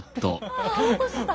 ああ落とした！